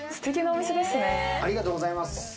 ありがとうございます。